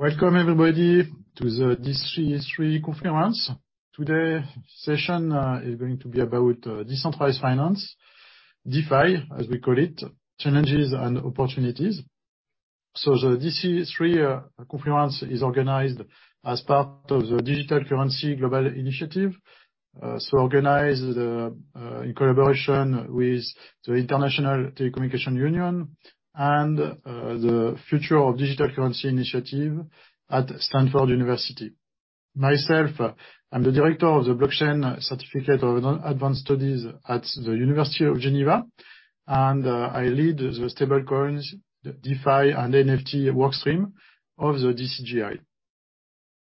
Welcome everybody to the DCGI conference. Today's session is going to be about decentralized finance, DeFi, as we call it, challenges and opportunities. The DCGI conference is organized as part of the Digital Currency Global Initiative. Organized in collaboration with the International Telecommunication Union and the Future of Digital Currency Initiative at Stanford University. Myself, I'm the director of the Blockchain Certificate of Advanced Studies at the University of Geneva, and I lead the stablecoins, the DeFi, and NFT work stream of the DCGI.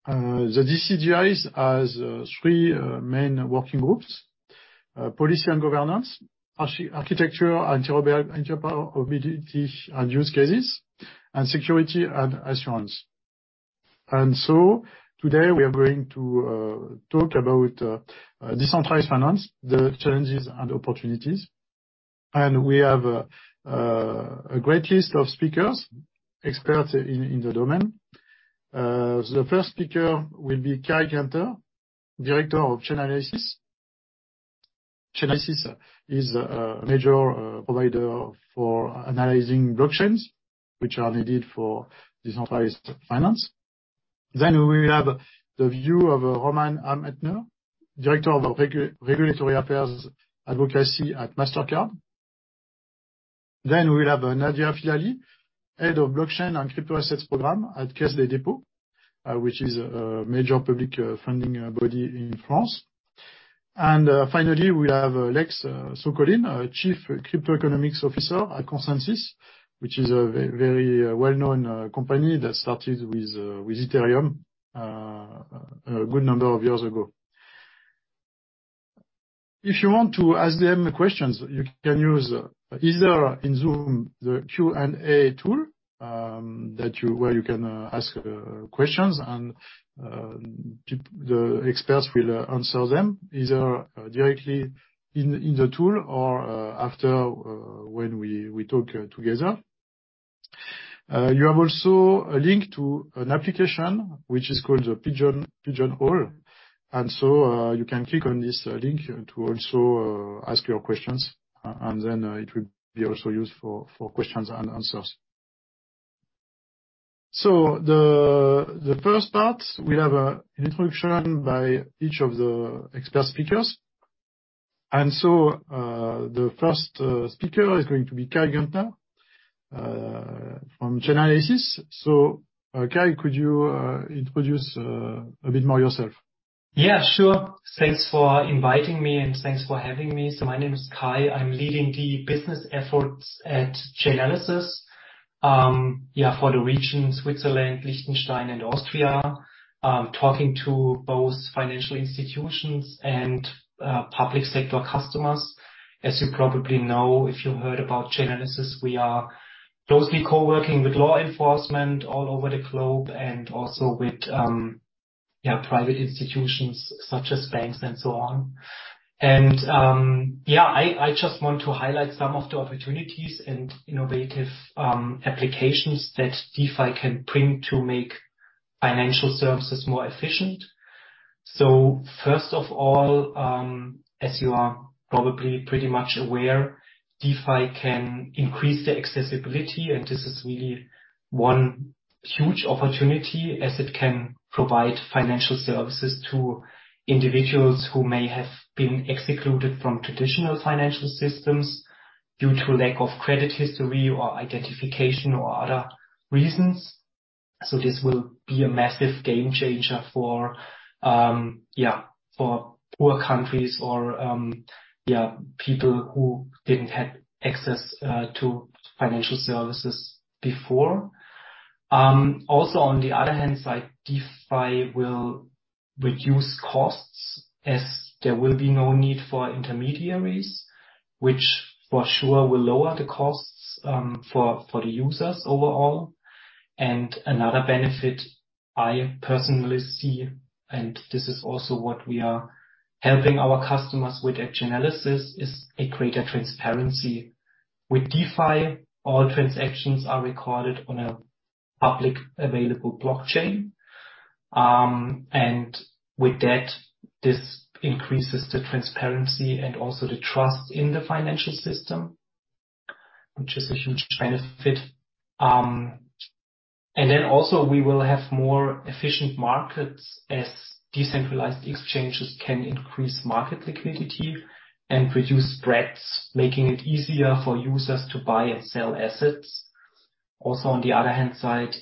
The DCGI has three main working groups: policy and governance, architecture, interoperability, and use cases, and security and assurance. Today we are going to talk about decentralized finance, the challenges and opportunities. We have a great list of speakers, experts in the domain. The first speaker will be Kai Gunter, Director of Chainalysis. Chainalysis is a major provider for analyzing blockchains, which are needed for decentralized finance. We will have the view of Romain Armengaud, Director of Regulatory Affairs Advocacy at Mastercard. We'll have Nadia Filali, Head of Blockchain and Crypto Assets Program at Caisse des Dépôts, which is a major public funding body in France. Finally, we have Lex Sokolin, Chief Crypto Economics Officer at ConsenSys, which is a very well-known company that started with Ethereum a good number of years ago. If you want to ask them questions, you can use either in Zoom, the Q&A tool where you can ask questions and the experts will answer them either directly in the tool or after when we talk together. You have also a link to an application, which is called the Pigeon, Pigeonhole. You can click on this link to also ask your questions, and then it will be also used for questions and answers. The first part, we'll have an introduction by each of the expert speakers. The first speaker is going to be Kai Gunter from Chainalysis. Kai, could you introduce a bit more yourself? Yeah, sure. Thanks for inviting me, and thanks for having me. My name is Kai. I'm leading the business efforts at Chainalysis, yeah, for the region Switzerland, Liechtenstein, and Austria. Talking to both financial institutions and public sector customers. As you probably know, if you heard about Chainalysis, we are closely co-working with law enforcement all over the globe and also with, yeah, private institutions such as banks and so on. I just want to highlight some of the opportunities and innovative applications that DeFi can bring to make financial services more efficient. First of all, as you are probably pretty much aware, DeFi can increase the accessibility, and this is really one huge opportunity as it can provide financial services to individuals who may have been excluded from traditional financial systems due to lack of credit history or identification or other reasons. This will be a massive game changer for, yeah, for poor countries or, yeah, people who didn't have access to financial services before. Also on the other hand side, DeFi will reduce costs as there will be no need for intermediaries, which for sure will lower the costs for the users overall. Another benefit I personally see, and this is also what we are helping our customers with at Chainalysis, is a greater transparency. With DeFi, all transactions are recorded on a public available blockchain. With that, this increases the transparency and also the trust in the financial system, which is a huge benefit. Then also we will have more efficient markets as decentralized exchanges can increase market liquidity and reduce spreads, making it easier for users to buy and sell assets. Also on the other hand side,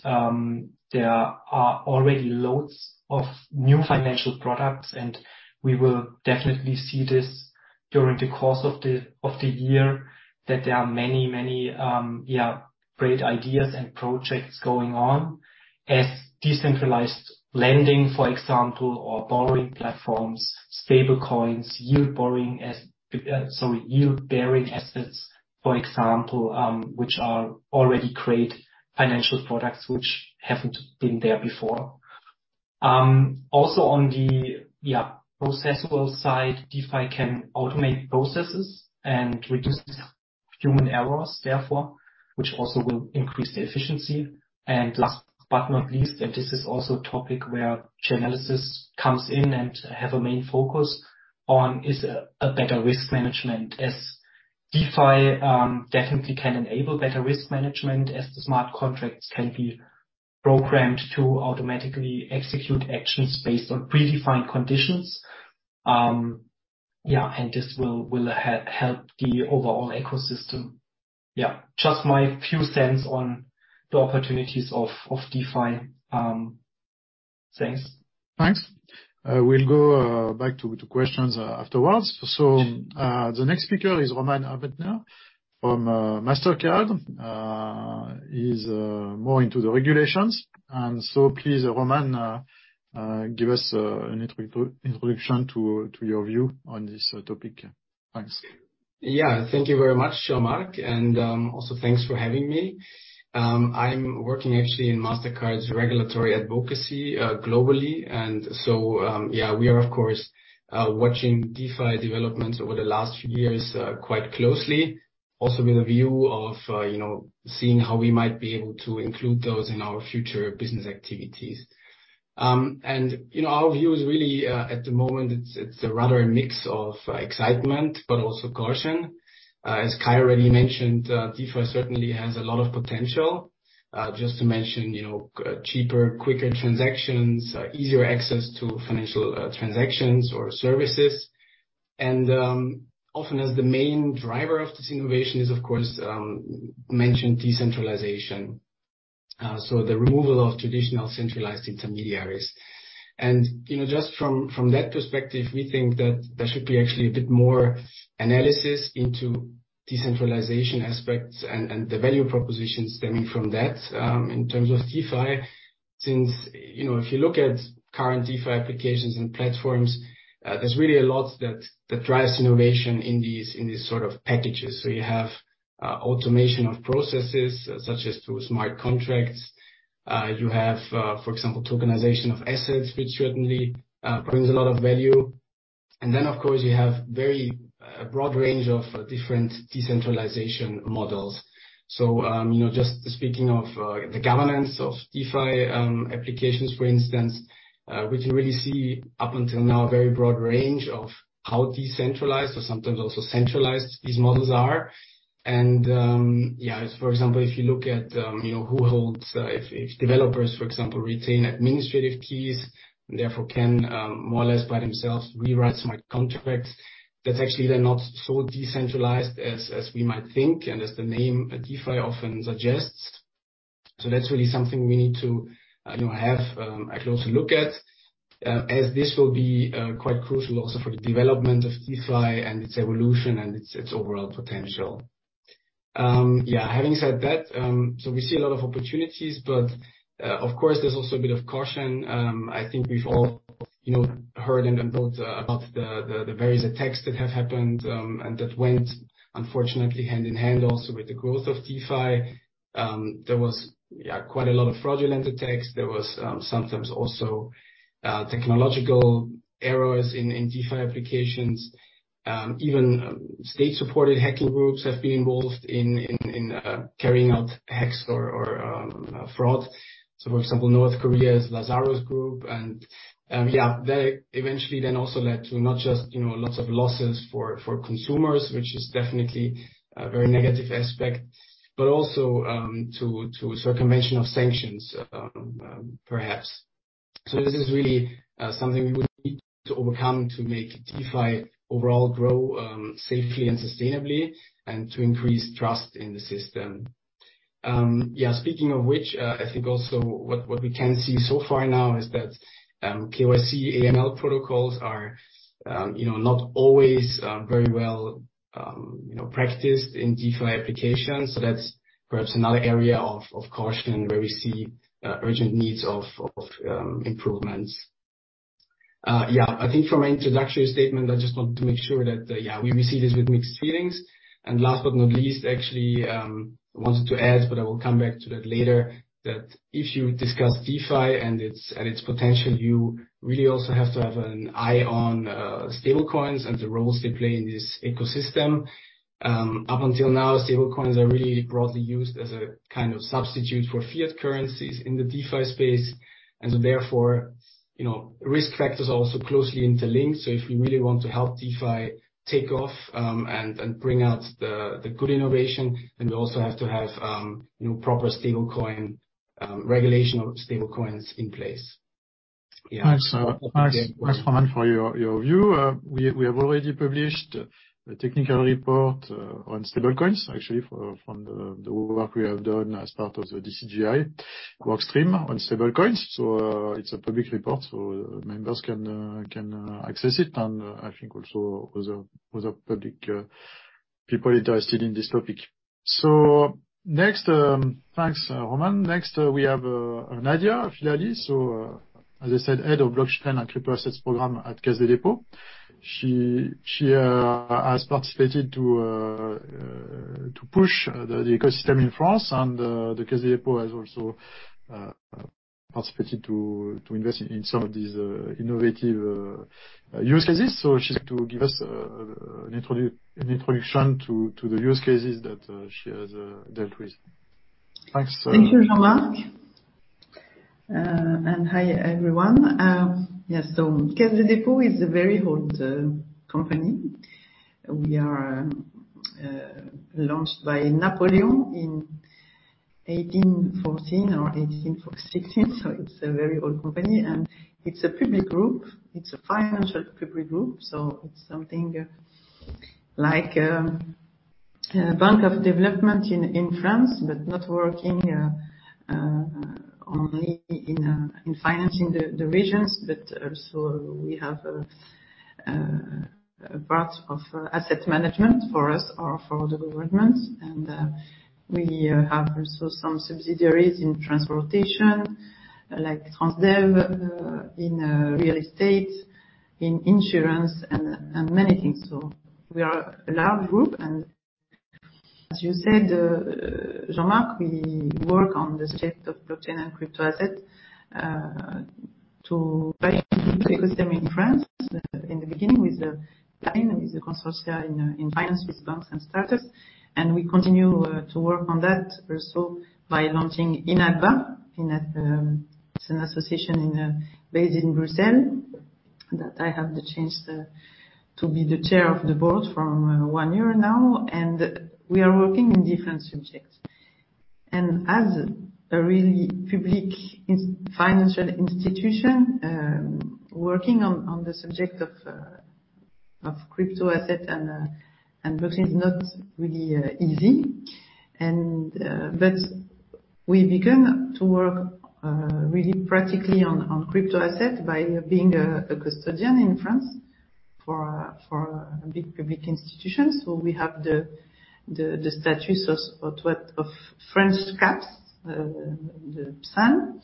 there are already loads of new financial products, and we will definitely see this during the course of the year, that there are many, yeah, great ideas and projects going on. As decentralized lending, for example, or borrowing platforms, stablecoins, yield borrowing as, sorry, yield bearing assets, for example, which are already create financial products which haven't been there before. Also on the, yeah, processable side, DeFi can automate processes and reduce human errors therefore, which also will increase the efficiency. Last but not least, and this is also a topic where Chainalysis comes in and have a main focus on is a better risk management, as DeFi definitely can enable better risk management, as the smart contracts can be programmed to automatically execute actions based on predefined conditions. Yeah. This will help the overall ecosystem. Yeah. Just my few cents on the opportunities of DeFi. Thanks. Thanks. We'll go back to questions afterwards. The next speaker is Roman Abettner from Mastercard. He's more into the regulations. Please, Roman, give us an introduction to your view on this topic. Thanks. Yeah. Thank you very much, Jean-Marc. Also thanks for having me. I'm working actually in Mastercard's regulatory advocacy globally. We are of course watching DeFi developments over the last few years quite closely, also with a view of, you know, seeing how we might be able to include those in our future business activities. You know, our view is really at the moment it's a rather a mix of excitement, but also caution. As Kai already mentioned, DeFi certainly has a lot of potential. Just to mention, you know, cheaper, quicker transactions, easier access to financial transactions or services. Often as the main driver of this innovation is of course mentioned decentralization. The removal of traditional centralized intermediaries. You know, just from that perspective, we think that there should be actually a bit more analysis into decentralization aspects and the value propositions stemming from that, in terms of DeFi. You know, if you look at current DeFi applications and platforms, there's really a lot that drives innovation in these sort of packages. You have automation of processes, such as through smart contracts. You have, for example, tokenization of assets, which certainly brings a lot of value. Then of course you have very, a broad range of different decentralization models. You know, just speaking of the governance of DeFi applications for instance, we can really see up until now a very broad range of how decentralized or sometimes also centralized these models are. Yeah, as for example, if you look at, you know, who holds, if developers, for example, retain administrative keys, and therefore can, more or less by themselves rewrite smart contracts, that's actually then not so decentralized as we might think, and as the name DeFi often suggests. That's really something we need to, you know, have a closer look at, as this will be quite crucial also for the development of DeFi and its evolution and its overall potential. Yeah, having said that, we see a lot of opportunities, but, of course there's also a bit of caution. I think we've all, you know, heard and built about the various attacks that have happened, and that went unfortunately hand in hand also with the growth of DeFi. There was, yeah, quite a lot of fraudulent attacks. There was sometimes also technological errors in DeFi applications. Even state-supported hacking groups have been involved in carrying out hacks or fraud. For example, North Korea's Lazarus Group and, yeah, that eventually then also led to not just, you know, lots of losses for consumers, which is definitely a very negative aspect, but also to a certain convention of sanctions, perhaps. This is really something we would need to overcome to make DeFi overall grow safely and sustainably and to increase trust in the system. Yeah, speaking of which, I think also what we can see so far now is that KYC, AML protocols are, you know, not always very well, you know, practiced in DeFi applications. That's perhaps another area of caution where we see urgent needs of improvements. Yeah. I think from introductory statement, I just want to make sure that, yeah, we see this with mixed feelings. Last but not least actually, I wanted to add, but I will come back to that later, that if you discuss DeFi and its, and its potential, you really also have to have an eye on stable coins and the roles they play in this ecosystem. Up until now, stablecoins are really broadly used as a kind of substitute for fiat currencies in the DeFi space. Therefore, you know, risk factors are also closely interlinked. If we really want to help DeFi take off, and bring out the good innovation, then we also have to have, you know, proper stablecoin regulation of stablecoins in place. Yeah. Thanks. Thanks. Thanks, Roman, for your view. We have already published a technical report on stable coins actually, for, from the work we have done as part of the DCGI work stream on stable coins. It's a public report, so members can access it and I think also other public people interested in this topic. Next. Thanks, Roman. Next, we have Nadia Filali. As I said, head of blockchain and crypto assets program at Caisse des Dépôts. She has participated to push the ecosystem in France and the Caisse des Dépôts has also participated to invest in some of these innovative use cases. She's going to give us an introduction to the use cases that she has dealt with. Thanks. Thank you, Jean-Marc. Hi, everyone. Yeah. Caisse des Dépôts is a very old company. We are launched by Napoleon in 1814 or 1816. It's a very old company, and it's a public group. It's a financial public group, so it's something like a bank of development in France, but not working only in financing the regions, but also we have a part of asset management for us or for the government. We have also some subsidiaries in transportation like Transdev, in real estate, in insurance and many things. We are a large group, and as you said, Jean-Marc, we work on the state of blockchain and crypto asset to ecosystem in France. In the beginning with the line, with the consortia in in finance with banks and startups, we continue to work on that also by launching INATBA. INATBA, it's an association in based in Brussels that I have the chance to be the chair of the board from one year now. We are working in different subjects. As a really public financial institution, working on the subject of crypto asset and blockchain is not really easy. We began to work really practically on crypto asset by being a custodian in France for a big public institution. We have the status of what? Of French caps, the PSAN.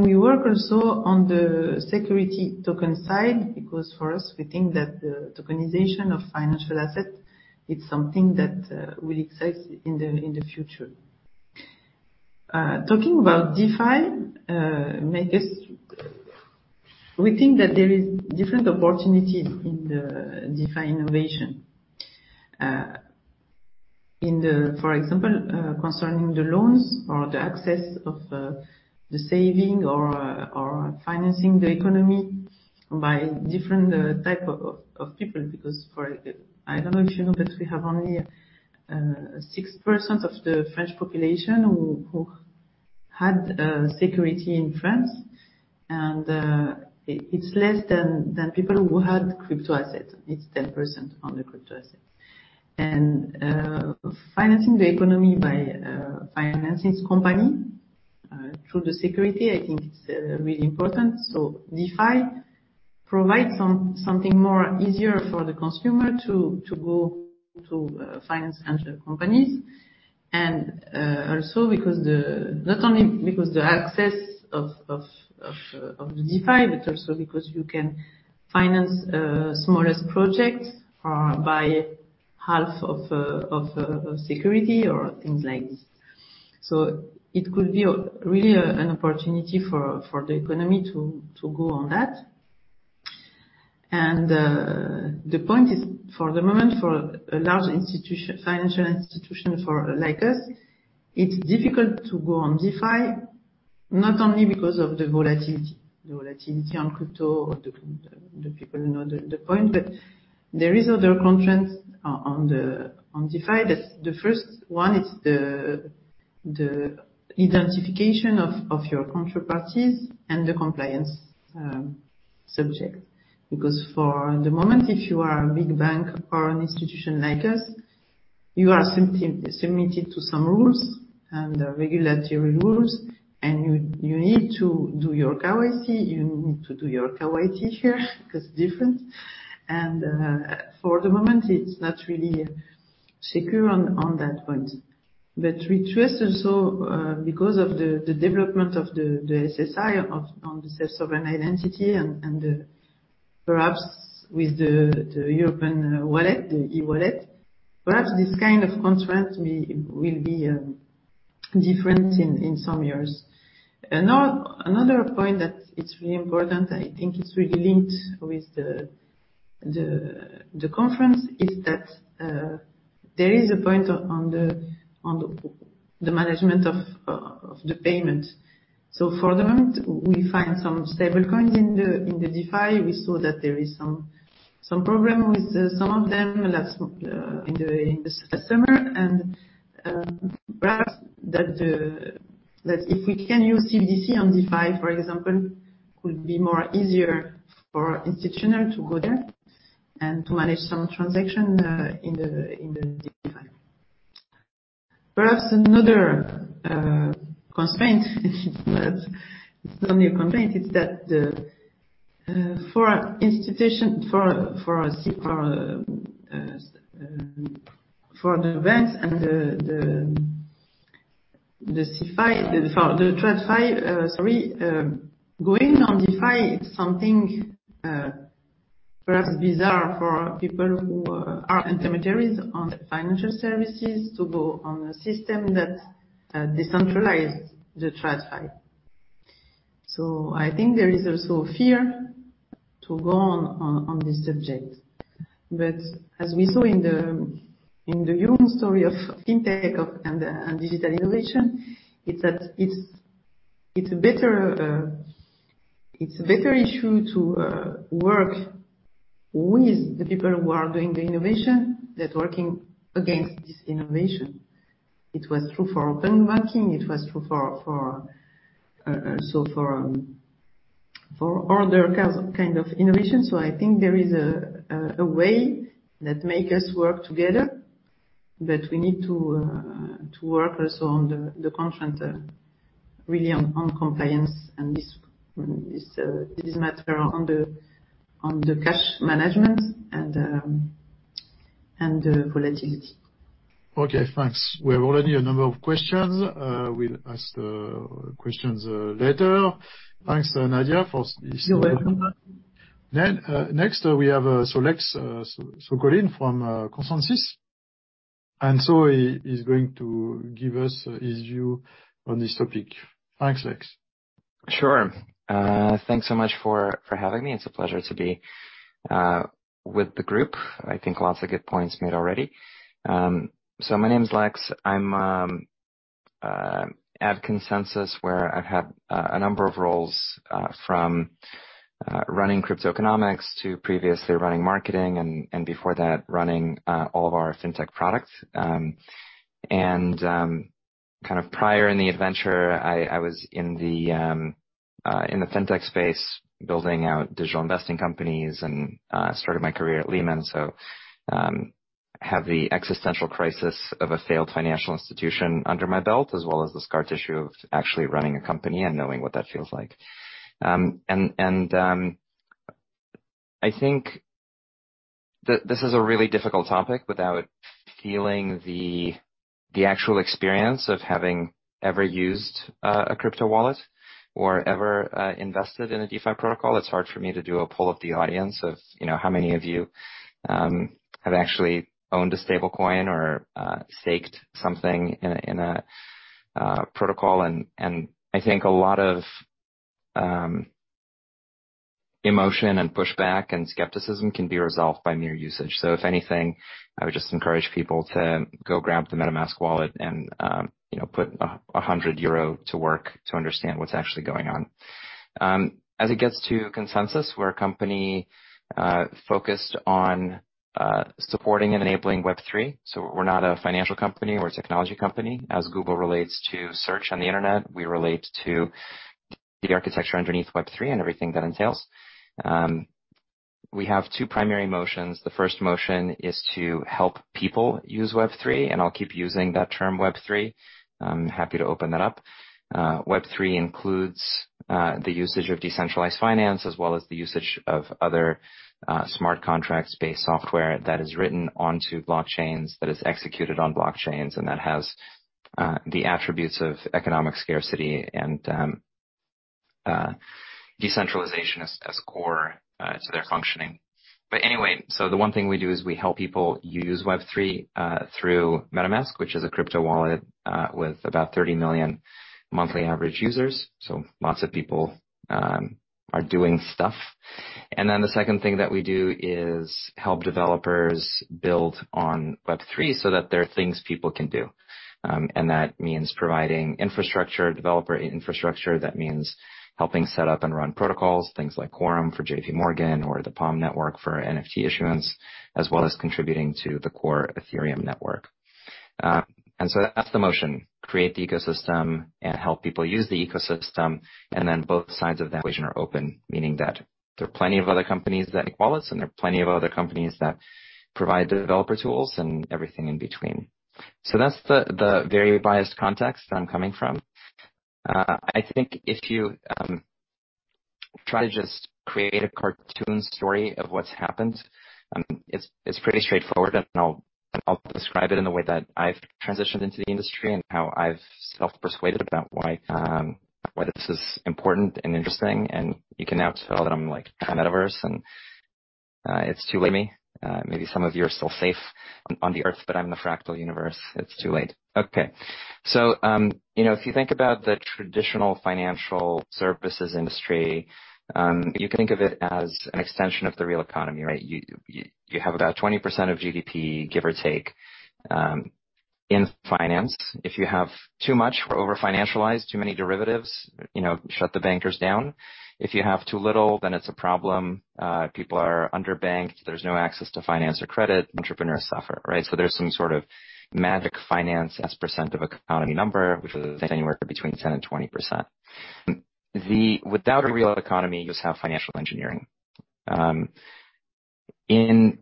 We work also on the security token side, because for us, we think that the tokenization of financial assets is something that will exist in the future. Talking about DeFi, we think that there is different opportunities in the DeFi innovation. For example, concerning the loans or the access of the saving or financing the economy by different type of people. I don't know if you know, but we have only 6% of the French population who had security in France. It's less than people who had crypto asset. It's 10% on the crypto asset. Financing the economy by financing company through the security, I think it's really important. DeFi provides something more easier for the consumer to go to finance and companies. Also because not only because the access of DeFi, but also because you can finance smallest projects by half of security or things like this. It could be really an opportunity for the economy to go on that. The point is for the moment, for a large institution, financial institution, for like us, it's difficult to go on DeFi, not only because of the volatility, the volatility on crypto, the people know the point, but there is other constraints on DeFi. The first one is the identification of your counterparties and the compliance subject. Because for the moment, if you are a big bank or an institution like us, you are submitted to some rules and regulatory rules, and you need to do your KYC. You need to do your KYT here, because different. For the moment, it's not really secure on that point. We trust also because of the development of the SSI on the Self-Sovereign Identity and the. Perhaps with the European wallet, the e-wallet, perhaps this kind of constraint will be different in some years. Another point that it's really important, I think it's really linked with the conference, is that there is a point on the management of the payment. For the moment, we find some stable coins in the DeFi. We saw that there is some problem with some of them last in the summer. Perhaps that if we can use CBDC on DeFi, for example, could be more easier for institutional to go there and to manage some transaction in the DeFi. Perhaps another constraint, but it's only a constraint, is that for institution, for a super, for the banks and the TradFi, sorry, going on DeFi is something perhaps bizarre for people who are intermediaries on financial services to go on a system that decentralize the TradFi. I think there is also fear to go on this subject. As we sa w in the, in the human story of FinTech of and digital innovation, it's that it's better, it's a better issue to work with the people who are doing the innovation than working against this innovation. It was true for Open Banking, it was true for, so for other kinds of innovation. I think there is a way that make us work together, but we need to work also on the content really on compliance and this matter on the cash management and the volatility. Okay, thanks. We have already a number of questions. We'll ask the questions later. Thanks, Nadia, for this. You're welcome. Next we have Lex Sokolin from, ConsenSys, and so he's going to give us his view on this topic. Thanks, Lex. Sure. Thanks so much for having me. It's a pleasure to be with the group. I think lots of good points made already. My name is Lex. I'm at ConsenSys, where I've had a number of roles, from running crypto economics to previously running marketing and before that, running all of our FinTech products. Kind of prior in the adventure, I was in the FinTech space building out digital investing companies, and started my career at Lehman. So have the existential crisis of a failed financial institution under my belt, as well as the scar tissue of actually running a company and knowing what that feels like. I think that this is a really difficult topic without feeling the actual experience of having ever used a crypto wallet or ever invested in a DeFi protocol. It's hard for me to do a poll of the audience of, you know, how many of you have actually owned a stablecoin or staked something in a protocol. I think a lot of emotion and pushback and skepticism can be resolved by mere usage. If anything, I would just encourage people to go grab the MetaMask wallet and, you know, put 100 euro to work to understand what's actually going on. As it gets to ConsenSys, we're a company focused on supporting and enabling Web3. We're not a financial company or a technology company. As Google relates to search on the Internet, we relate to the architecture underneath Web3 and everything that entails. We have two primary motions. The first motion is to help people use Web3, and I'll keep using that term, Web3. I'm happy to open that up. Web3 includes the usage of decentralized finance as well as the usage of other smart contracts based software that is written onto blockchains, that is executed on blockchains, and that has the attributes of economic scarcity and decentralization as core to their functioning. Anyway, the one thing we do is we help people use Web3 through MetaMask, which is a crypto wallet with about 30 million monthly average users. Lots of people are doing stuff. The second thing that we do is help developers build on Web3 so that there are things people can do. That means providing infrastructure, developer infrastructure. That means helping set up and run protocols, things like Quorum for JPMorgan or the Palm Network for NFT issuance, as well as contributing to the core Ethereum network. That's the motion, create the ecosystem and help people use the ecosystem. Both sides of the equation are open, meaning that there are plenty of other companies that make wallets, and there are plenty of other companies that provide developer tools and everything in between. That's the very biased context that I'm coming from. I think if you try to just create a cartoon story of what's happened, it's pretty straightforward, and I'll describe it in the way that I've transitioned into the industry and how I've self-persuaded about why this is important and interesting. You can now tell that I'm like Metaverse and it's too late for me. Maybe some of you are still safe on the Earth, but I'm in the fractal universe. It's too late. Okay. you know, if you think about the traditional financial services industry, you can think of it as an extension of the real economy, right? You have about 20% of GDP, give or take, in finance. If you have too much, we're over-financialized, too many derivatives, you know, shut the bankers down. If you have too little, it's a problem. People are underbanked. There's no access to finance or credit. Entrepreneurs suffer, right? There's some sort of magic finance as percent of economy number, which is anywhere between 10% and 20%. Without a real economy, you just have financial engineering. In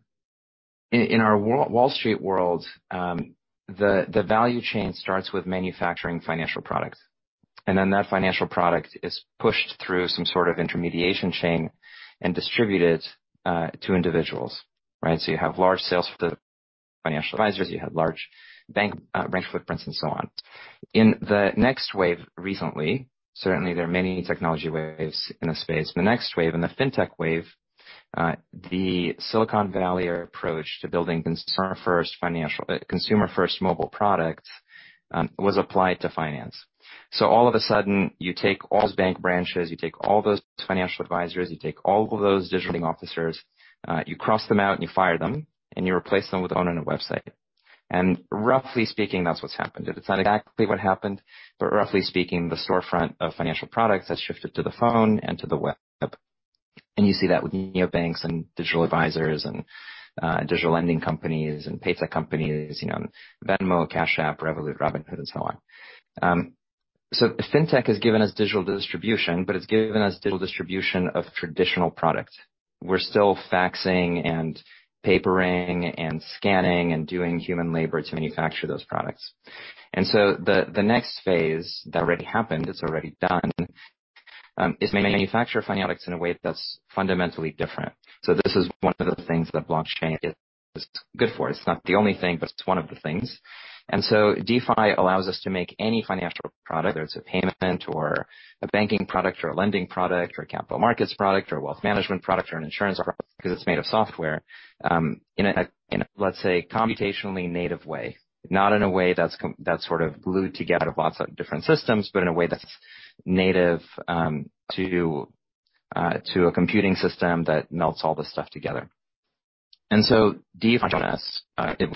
our Wall Street world, the value chain starts with manufacturing financial products. That financial product is pushed through some sort of intermediation chain and distributed to individuals, right? You have large sales for the financial advisors, you have large bank branch footprints and so on. In the next wave recently, certainly there are many technology waves in the space. The next wave, in the FinTech wave, the Silicon Valley approach to building consumer first mobile products was applied to finance. All of a sudden you take all those bank branches, you take all those financial advisors, you take all of those digital officers, you cross them out and you fire them, and you replace them with owner and a website. Roughly speaking, that's what's happened. If it's not exactly what happened, but roughly speaking, the storefront of financial products has shifted to the phone and to the web. You see that with neobanks and digital advisors and digital lending companies and PayTech companies, you know, Venmo, Cash App, Revolut, Robinhood and so on. Fintech has given us digital distribution, but it's given us digital distribution of traditional products. We're still faxing and papering and scanning and doing human labor to manufacture those products. The next phase that already happened, it's already done, is manufacture finance in a way that's fundamentally different. This is one of the things that blockchain is good for. It's not the only thing, but it's one of the things. DeFi allows us to make any financial product, whether it's a payment or a banking product or a lending product or a Capital Markets product or a wealth management product or an insurance product, 'cause it's made of software, in a, let's say, computationally native way. Not in a way that's sort of glued together lots of different systems, but in a way that's native to a computing system that melts all this stuff together. DeFi has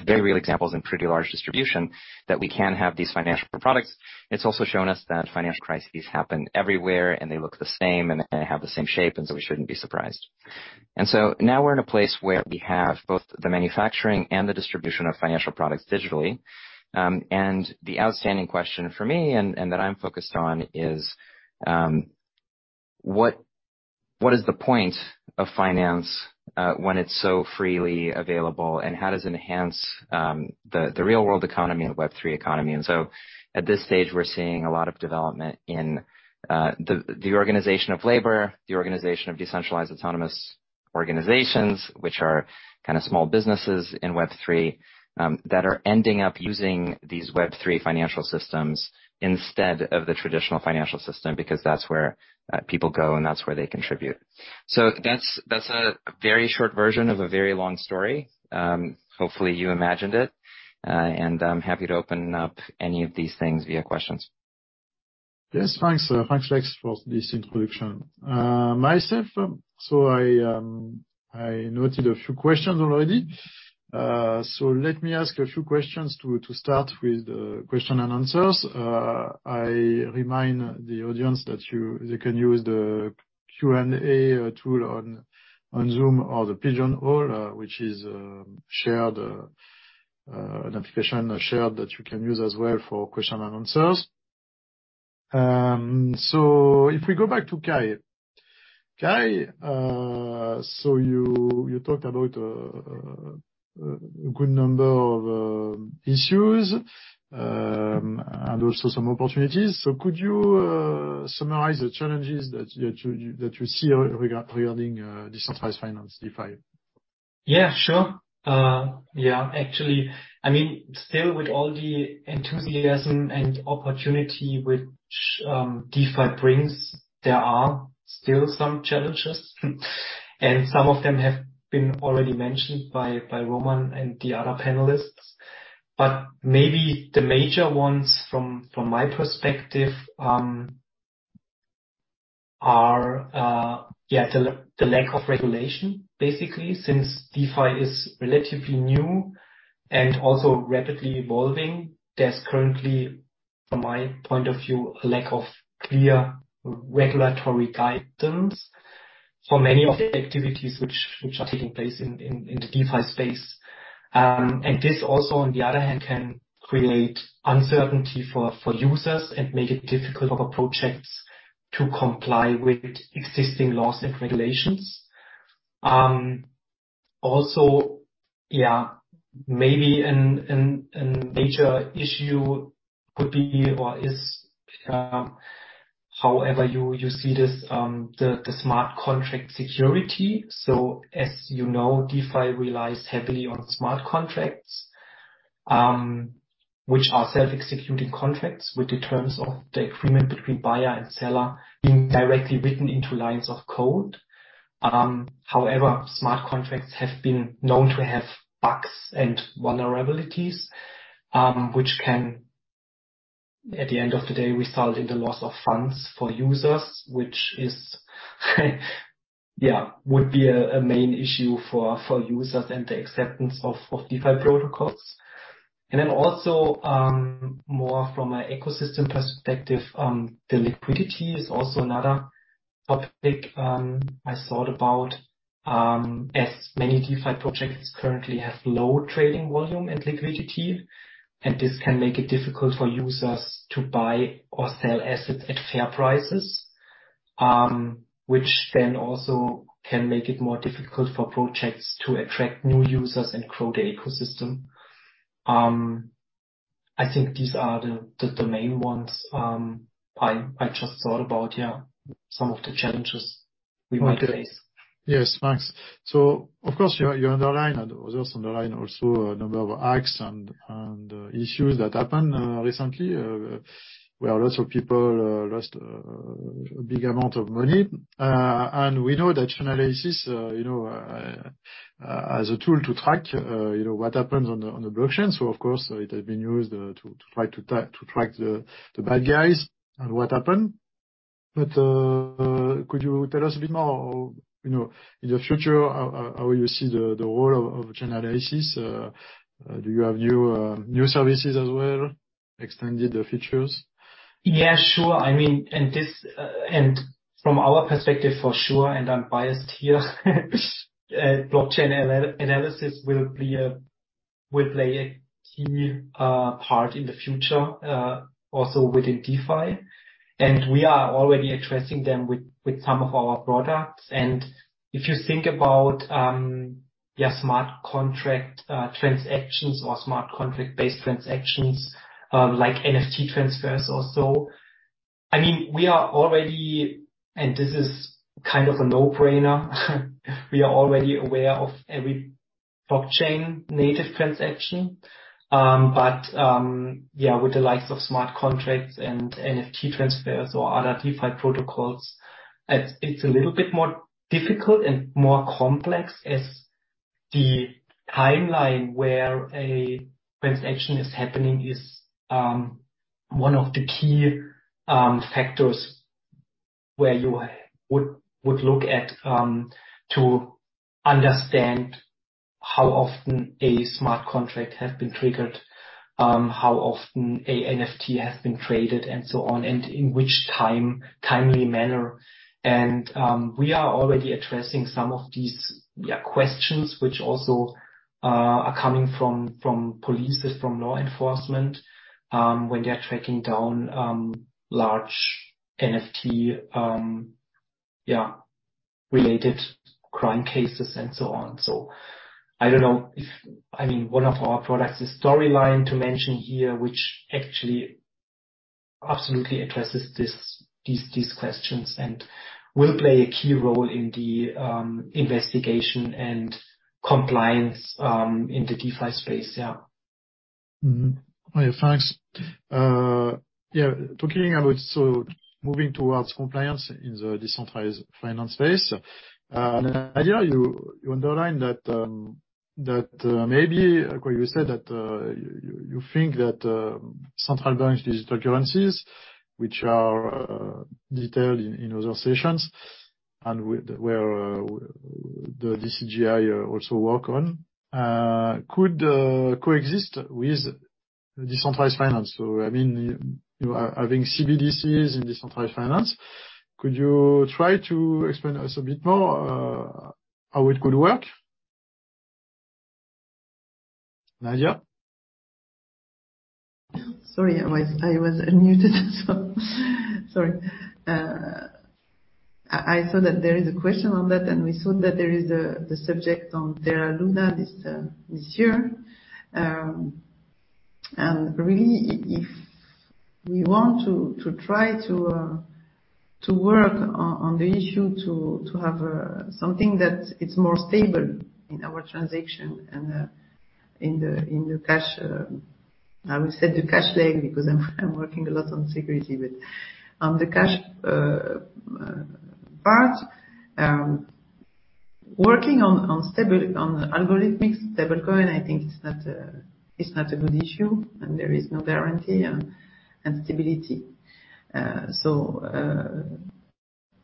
very real examples in pretty large distribution that we can have these financial products. It's also shown us that financial crises happen everywhere, and they look the same and have the same shape. So we shouldn't be surprised. So now we're in a place where we have both the manufacturing and the distribution of financial products digitally. The outstanding question for me and that I'm focused on is what is the point of finance when it's so freely available and how does it enhance the real world economy and Web3 economy? So at this stage, we're seeing a lot of development in the organization of labor, the organization of decentralized autonomous organizations, which are kind of small businesses in Web3 that are ending up using these Web3 financial systems instead of the traditional financial system because that's where people go and that's where they contribute. That's a very short version of a very long story. Hopefully you imagined it. I'm happy to open up any of these things via questions. Yes, thanks Lex for this introduction. Myself, I noted a few questions already. Let me ask a few questions to start with the question and answers. I remind the audience that they can use the Q&A tool on Zoom or the Pigeonhole, which is an application shared that you can use as well for question and answers. If we go back to Kai. Kai, so you talked about a good number of issues and also some opportunities. Could you summarize the challenges that you see regarding decentralized finance, DeFi? Yeah, sure. Yeah. Actually, I mean, still with all the enthusiasm and opportunity which DeFi brings, there are still some challenges. Some of them have been already mentioned by Roman and the other panelists. Maybe the major ones from my perspective are the lack of regulation, basically. Since DeFi is relatively new and also rapidly evolving, there's currently, from my point of view, a lack of clear regulatory guidance for many of the activities which are taking place in the DeFi space. This also on the other hand can create uncertainty for users and make it difficult for projects to comply with existing laws and regulations. Also, maybe a major issue could be or is, however you see this, the smart contract security. As you know, DeFi relies heavily on smart contracts, which are self-executing contracts with the terms of the agreement between buyer and seller being directly written into lines of code. However, smart contracts have been known to have bugs and vulnerabilities, which can, at the end of the day, result in the loss of funds for users, which is yeah, would be a main issue for users and the acceptance of DeFi protocols. Also, more from an ecosystem perspective, the liquidity is also another topic I thought about, as many DeFi projects currently have low trading volume and liquidity, and this can make it difficult for users to buy or sell assets at fair prices. Which then also can make it more difficult for projects to attract new users and grow the ecosystem. I think these are the main ones. I just thought about, yeah, some of the challenges we might face. Okay. Yes. Thanks. Of course you underline, and also underline also a number of hacks and issues that happened recently, where lots of people lost a big amount of money. We know that Chainalysis, you know, as a tool to track, you know, what happens on the blockchain. Of course, it has been used to try to track the bad guys and what happened. Could you tell us a bit more, you know, in the future, how you see the role of Chainalysis? Do you have new services as well? Extended features? Yeah, sure. I mean, this, from our perspective for sure, and unbiased here, blockchain analysis will play a key part in the future, also within DeFi, and we are already addressing them with some of our products. If you think about smart contract transactions or smart contract-based transactions, like NFT transfers or so. I mean, we are already, and this is kind of a no-brainer. We are already aware of every blockchain native transaction. Yeah, with the likes of smart contracts and NFT transfers or other DeFi protocols, it's a little bit more difficult and more complex as the timeline where a transaction is happening is one of the key factors where you would look at to understand how often a smart contract has been triggered, how often an NFT has been traded, and so on, and in which timely manner. We are already addressing some of these, yeah, questions which also are coming from police, from law enforcement, when they are tracking down, large NFT, yeah, related crime cases and so on. I don't know if I mean, one of our products is Storyline to mention here, which actually absolutely addresses this, these questions and will play a key role in the investigation and compliance in the DeFi space. Yeah. All right. Thanks. Yeah, talking about so moving towards compliance in the decentralized finance space. Nadia, you underline that, maybe like what you said, that you think that Central Bank digital currencies, which are detailed in other sessions and where the DCGI also work on, could coexist with decentralized finance. I mean, you are having CBDCs in decentralized finance. Could you try to explain us a bit more how it could work? Nadia? Sorry, I was unmuted as well. Sorry. I saw that there is a question on that, and we saw that there is the subject on Terra Luna this year. Really if we want to try to work on the issue to have something that it's more stable in our transaction and in the cash, I will say the cash leg because I'm working a lot on security. On the cash part, working on algorithmic stablecoin, I think it's not a good issue, and there is no guarantee and stability.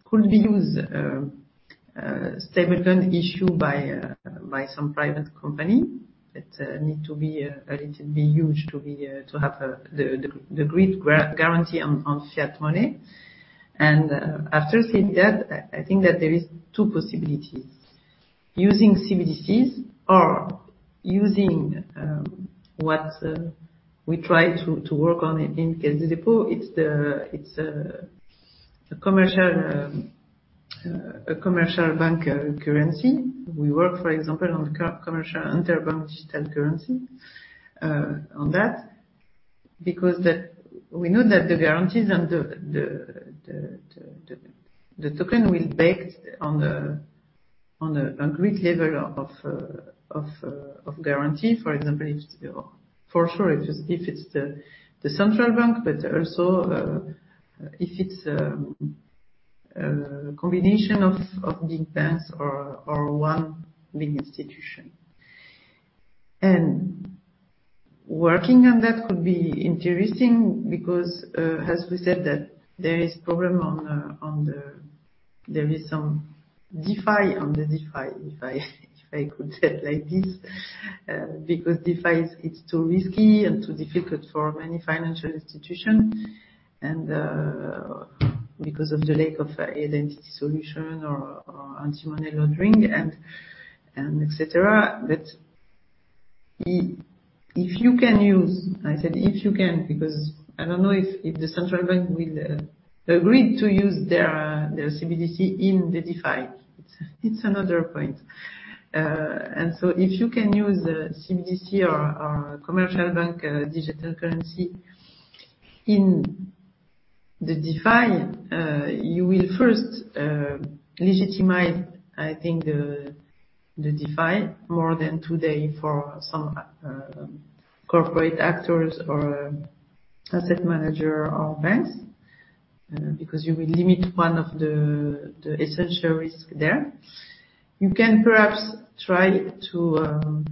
Could we use a stablecoin issued by some private company that need to be a little bit huge to be to have the great guarantee on fiat money. After saying that, I think that there is two possibilities. Using CBDCs or using what we try to work on in Caisse des Dépôts. It's the, it's a commercial, a commercial bank currency. We work, for example, on co-commercial interbank digital currency on that because that we know that the guarantees and the token will be based on For example, if for sure, if it's the Central Bank, also, if it's a combination of big banks or 1 big institution. Working on that could be interesting because, as we said that there is problem there is some DeFi on the DeFi, if I could say it like this. Because DeFi is too risky and too difficult for many financial institutions and because of the lack of identity solution or anti-money laundering and etcetera. If you can use... I said if you can, because I don't know if the Central Bank will agree to use their CBDC in the DeFi. It's another point. If you can use CBDC or commercial bank digital currency in the DeFi, you will first legitimize, I think the DeFi more than today for some corporate actors or asset manager or banks, because you will limit one of the essential risk there. You can perhaps try to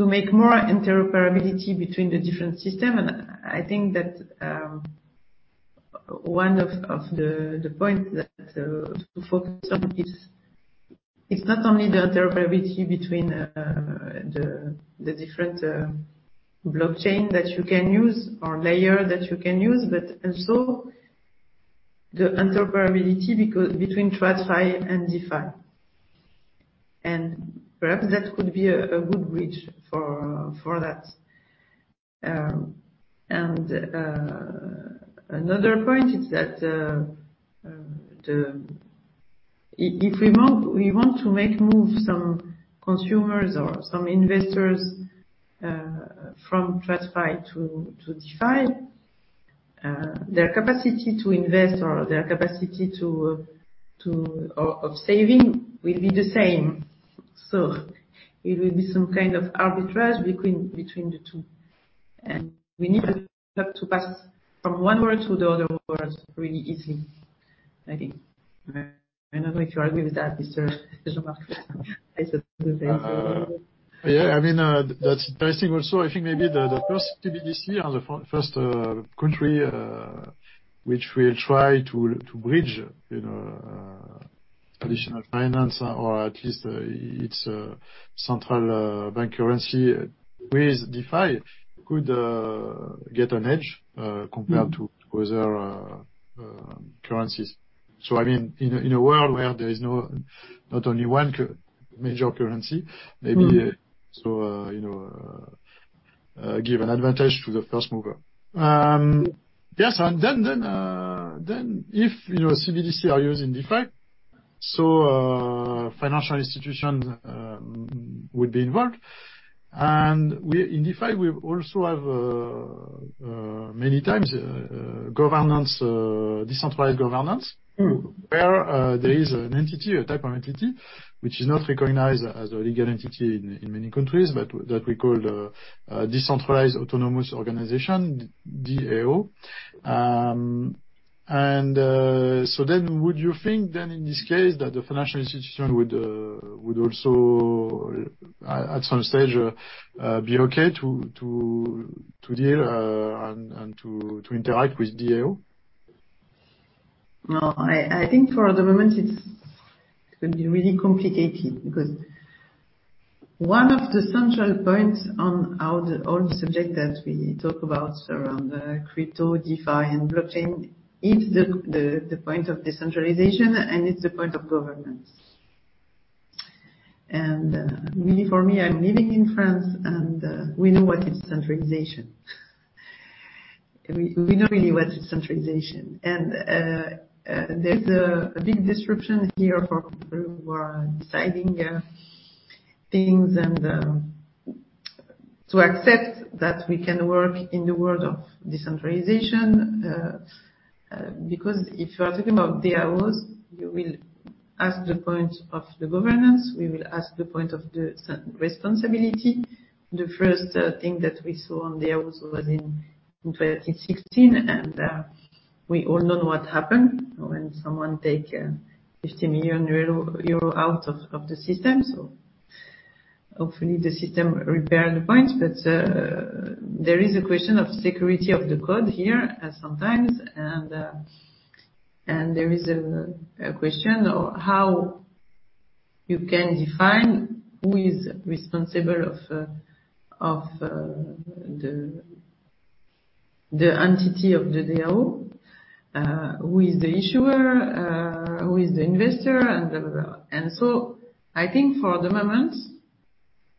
make more interoperability between the different system. I think that one of the point that, to focus on is it's not only the interoperability between the different blockchain that you can use or layer that you can use, but also the interoperability between TradFi and DeFi. Perhaps that could be a good bridge for that. Another point is that the... If we want to make move some consumers or some investors from TradFi to DeFi, their capacity to invest or their capacity of saving will be the same. It will be some kind of arbitrage between the two. We need to have to pass from one world to the other world really easily, I think. I don't know if you agree with that, Mr. Jean-Marc. I said the same thing. Yeah. I mean, that's interesting also. I think maybe the first CBDC or the first country, which will try to bridge, you know, traditional finance or at least its Central Bank currency with DeFi could get an edge. Mm-hmm. compared to other currencies. I mean, in a, in a world where there is no not only one major currency. Mm-hmm. Maybe so, you know, give an advantage to the first mover. Yes. Then, if, you know, CBDC are used in DeFi, financial institutions would be involved. In DeFi, we also have many times governance, decentralized governance. Mm-hmm. Where, there is an entity, a type of entity which is not recognized as a legal entity in many countries, but that we call the Decentralized Autonomous Organization, DAO. Would you think then in this case that the financial institution would also at some stage be okay to deal and to interact with DAO? No. I think for the moment it's going to be really complicated, because one of the central points on all the subject that we talk about around crypto, DeFi, and blockchain, it's the point of decentralization, and it's the point of governance. Really for me, I'm living in France and we know what is centralization. We know really what is centralization. There's a big disruption here for people who are deciding things and to accept that we can work in the world of decentralization. Because if you are talking about DAOs, you will ask the point of the governance. We will ask the point of the responsibility. The first thing that we saw on DAOs was in 2016, we all know what happened when someone take 50 million euro out of the system. Hopefully the system repair the points. There is a question of security of the code here sometimes. There is a question on how you can define who is responsible of the entity of the DAO, who is the issuer, who is the investor, and da da da. I think for the moment,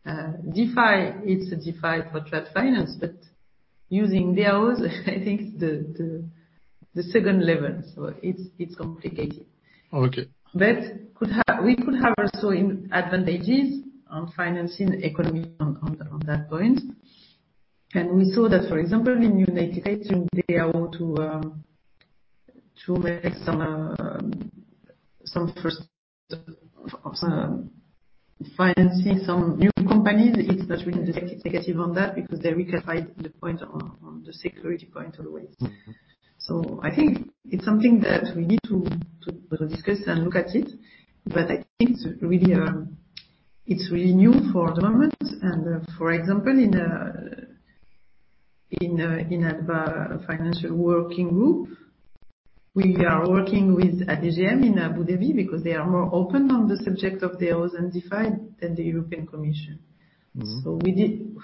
DeFi is a DeFi for TradFi finance, but using DAOs, I think the second level. It's complicated. Okay. could have... We could have also in advantages on financing economy on that point. We saw that for example, in United States, in DAO to make some first of financing some new companies. It's not really detective, negative on that because they rectify the point on the security point always. Mm-hmm. I think it's something that we need to discuss and look at it, but I think it's really, it's really new for the moment. For example, in INATBA Finance Working Group, we are working with ADGM in Abu Dhabi because they are more open on the subject of DAOs and DeFi than the European Commission. Mm-hmm.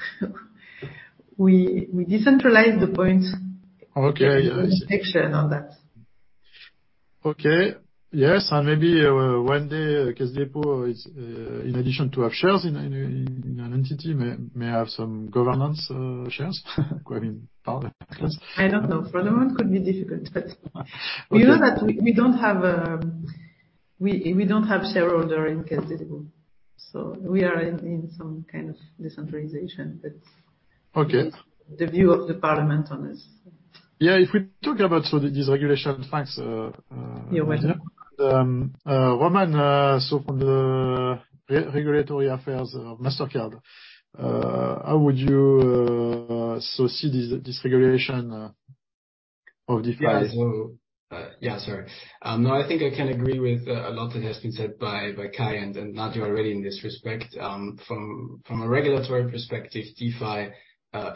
We decentralized Okay. Yeah, yeah. action on that. Okay. Yes, maybe one day, Caisse d'Epargne is in addition to have shares in an entity may have some governance, shares. I mean, probably. I don't know. For now it could be difficult. We know that we don't have shareholder in Caisse d'Epargne, so we are in some kind of decentralization. Okay. The view of the parliament on this. Yeah. If we talk about so this regulation. Thanks. You're welcome. Roman, so from the regulatory affairs of Mastercard, how would you so see this regulation of DeFi? Yeah. Yeah, sorry. No, I think I can agree with a lot that has been said by Kai and Nadia already in this respect. From, from a regulatory perspective, DeFi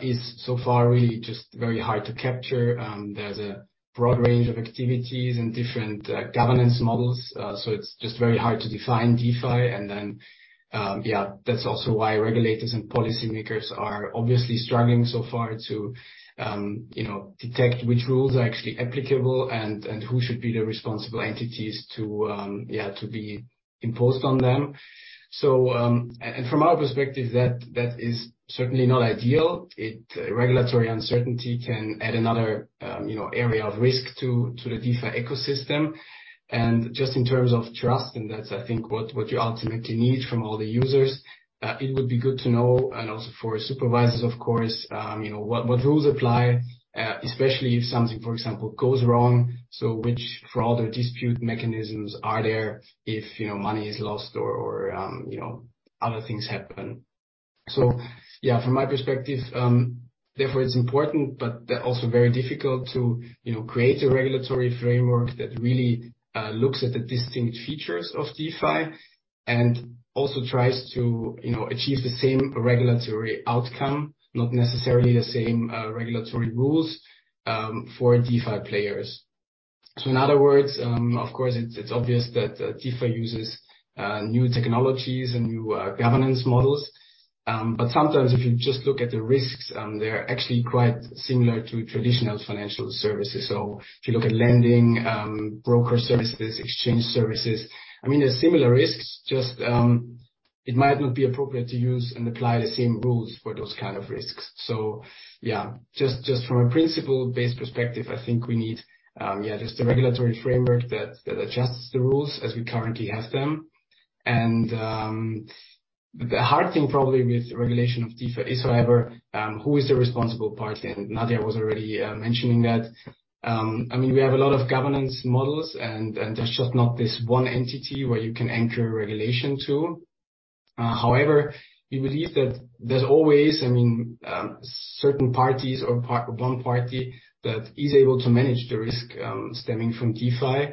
is so far really just very hard to capture. There's a broad range of activities and different governance models, so it's just very hard to define DeFi. Then, yeah, that's also why regulators and policymakers are obviously struggling so far to, you know, detect which rules are actually applicable and who should be the responsible entities to, yeah, to be imposed on them. And from our perspective, that is certainly not ideal. Regulatory uncertainty can add another, you know, area of risk to the DeFi ecosystem. Just in terms of trust, and that's, I think, what you ultimately need from all the users, it would be good to know, and also for supervisors, of course, you know, what rules apply, especially if something, for example, goes wrong. Which fraud or dispute mechanisms are there if, you know, money is lost or, you know, other things happen? Yeah, from my perspective, therefore it's important but also very difficult to, you know, create a regulatory framework that really looks at the distinct features of DeFi and also tries to, you know, achieve the same regulatory outcome, not necessarily the same regulatory rules for DeFi players. In other words, of course it's obvious that DeFi uses new technologies and new governance models. Sometimes if you just look at the risks, they're actually quite similar to traditional financial services. If you look at lending, broker services, exchange services, there's similar risks, just it might not be appropriate to use and apply the same rules for those kind of risks. Just from a principle-based perspective, I think we need a regulatory framework that adjusts the rules as we currently have them. The hard thing probably with regulation of DeFi is, however, who is the responsible party? Nadia was already mentioning that. We have a lot of governance models and there's just not this one entity where you can anchor regulation to. However, we believe that there's always, I mean, certain parties or one party that is able to manage the risk, stemming from DeFi.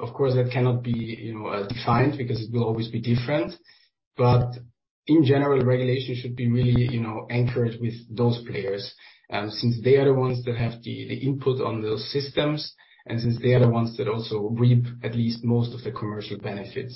Of course, that cannot be, you know, defined because it will always be different. In general, regulation should be really, you know, anchored with those players, since they are the ones that have the input on those systems and since they are the ones that also reap at least most of the commercial benefits.